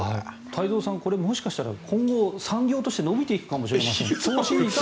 太蔵さんこれもしかしたら今後、産業として伸びていくかもしれないですね。